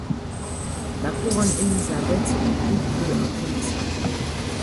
La Couronne Elisabeth est plus que inconnaissable.